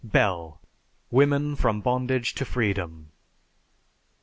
(_Bell: "Women from Bondage to Freedom."